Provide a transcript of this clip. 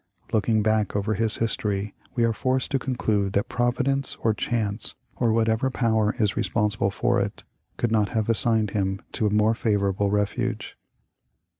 Looking back over his history we are forced to conclude that Providence or chance, or whatever power is re sponsible for it, could not have assigned him to a more favorable refuge.